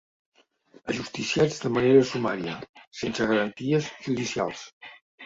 Ajusticiats de manera sumària, sense garanties judicials.